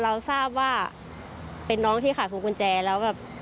เราทราบว่าเป็นน้องที่ขายพวงกุญแจแล้วแบบ